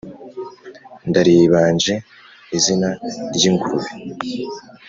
Ndariyibanje izina ry'ingurube